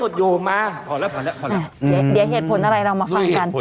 เดี๋ยวเหตุผลอะไรเรามาฟังกัน